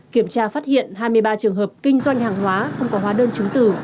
kiểm tra phát hiện hai mươi ba trường hợp kinh doanh hàng hóa không có hóa đơn chứng từ